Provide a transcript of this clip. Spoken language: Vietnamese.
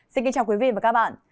xin kính chào quý vị và các bạn